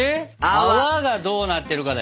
泡がどうなってるかだよね。